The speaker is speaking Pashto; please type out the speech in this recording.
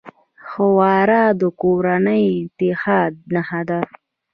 ښوروا د کورني اتحاد نښه ده.